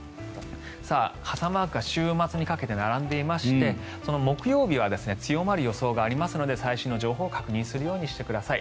傘マークが週末にかけて並んでいまして木曜日は強まる予想がありますので最新の情報を確認するようにしてください。